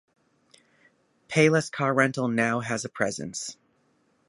Payless Car Rental now has a presence.